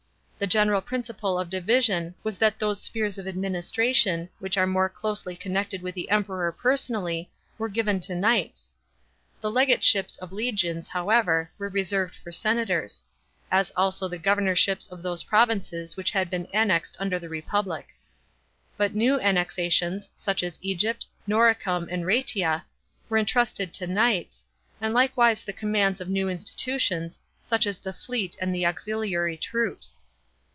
The general principle of division was that those spheres of administration, which were more closely connected with the Emperor personally, were given to knights. The legateships of legions, however, were reserved for senators; as also the governorships of those provinces which had been annexed under the republic. But new annexations, such as Egypt, Noricum, and BaBtia, were entrusted to knights, and likewise the commands of new institutions, such as the fleet and the auxiliary troops.